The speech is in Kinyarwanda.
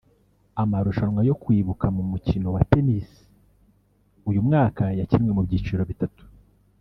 Amarushanwa yo kwibuka mu mukino wa Tennis uyu mwaka yakinwe mu byiciro bitatu